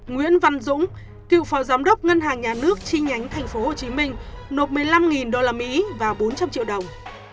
nguyễn văn dũng cựu phó giám đốc ngân hàng nhà nước chi nhánh tp hcm nộp một mươi năm đô la mỹ và bốn trăm linh triệu đồng